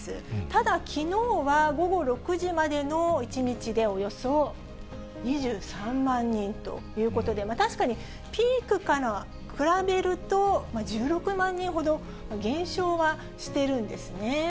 ただ、きのうは午後６時までの１日でおよそ２３万人ということで、確かに、ピークから比べると、１６万人ほど減少はしているんですね。